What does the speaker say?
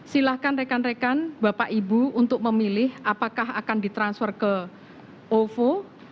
silahkan rekan rekan bapak ibu untuk memilih apakah akan ditransfer ke ovo